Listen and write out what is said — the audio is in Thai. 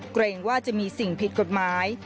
เกรงว่าจะมีสิ่งผิดกฎหมาย